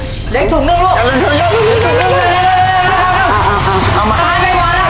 เด็กถุงนึกลูก